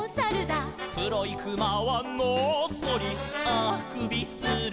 「くろいくまはノッソリあくびする」